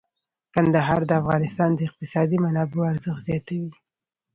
کندهار د افغانستان د اقتصادي منابعو ارزښت زیاتوي.